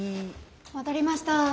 戻りました。